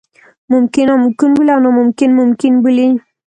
ممکن ناممکن بولي او ناممکن ممکن بولي.